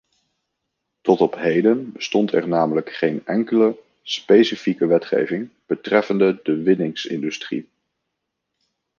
Tot op heden bestond er namelijk geen enkele specifieke wetgeving betreffende de winningsindustrie.